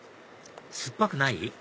酸っぱくない？